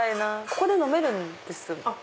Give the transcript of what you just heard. ここで飲めるんですか？